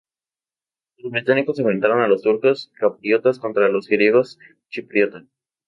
Los británicos enfrentaron a los turcos chipriotas contra los griegos chipriotas.